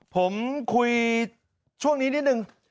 ผมคุยช่วงนี้นิดนึง